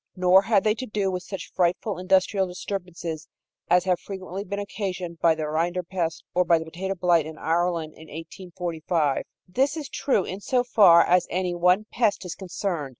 Nor had they to do with such frightful industrial disturbances as have frequently been occasioned by rinderpest or by the potato blight in Ireland in 1845. This is true in so far as any one pest is concerned.